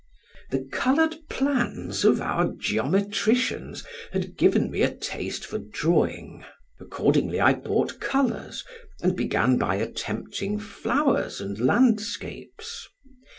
The colored plans of our geometricians had given me a taste for drawing: accordingly I bought colors, and began by attempting flowers and landscapes.